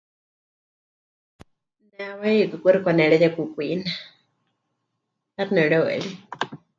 Ne hawai hiikɨ kuxi pɨkanereyekukwine, 'aixɨ nepɨreu'erie.